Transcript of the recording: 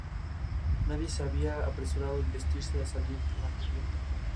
Nadie se había apresurado en vestirse y salir a la cubierta.